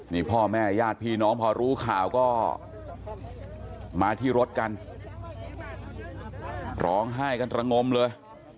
นี่พ่อแม่ญาติพี่น้องพอรู้ข่าวก็มาที่รถกันร้องไห้กันตระงมเลย